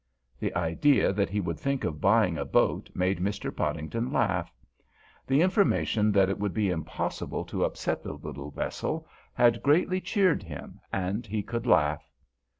The idea that he would think of buying a boat made Mr. Podington laugh. The information that it would be impossible to upset the little vessel had greatly cheered him, and he could laugh.